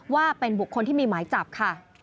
ว่าเป็นบุคคลที่มีหมายจับค่ะ